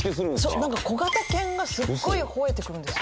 なんか小型犬がすっごいほえてくるんですよ。